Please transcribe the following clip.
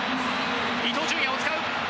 伊東純也を使う。